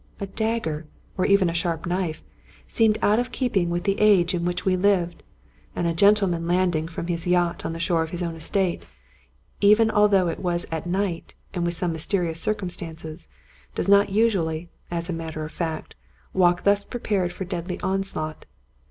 A dagger, or even a sharp knife, seemed out of keeping with the age in which we lived; and a gentleman landing from his yacht on the shore of his own estate, even although it was at night and with some mysterious circumstances, does not usually, as a matter of fact, walk thus prepared for deadly onslaught.